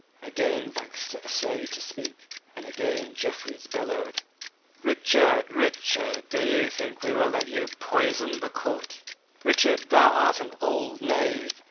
Again Baxter essayed to speak, and again Jeffreys bellowed "Richard, Richard, dost thou think we will let thee poison the court? Richard, thou art an old knave.